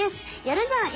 やるじゃん